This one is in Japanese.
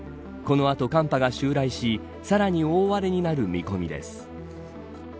この後、寒波が襲来しさらに大荒れになる見込みです。